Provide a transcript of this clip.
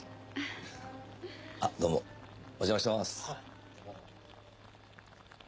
あっどうもお邪魔してます。